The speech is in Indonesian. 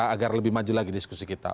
agar lebih maju lagi diskusi kita